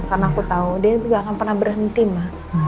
karena aku tahu dia itu nggak akan pernah berhenti ma